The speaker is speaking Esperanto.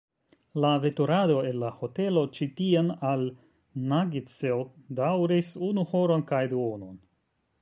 La veturado el la hotelo ĉi tien al "Nugget-tsil" daŭris unu horon kaj duonon.